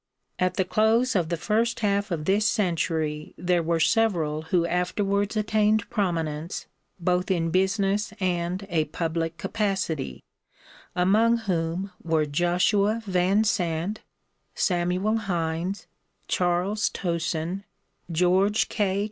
At the close of the first half of this century there were several who afterwards attained prominence both in business and a public capacity, among whom were Joshua Vansant, Samuel Hindes, Charles Towson, George K.